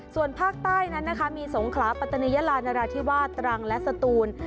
ส่วนภาคใต้นั้นนะคะมีสงขลาปัตตานียาลานราธิวาสตรังและสตูน